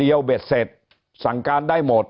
หนี้ครัวเรือนก็คือชาวบ้านเราเป็นหนี้มากกว่าทุกยุคที่ผ่านมาครับ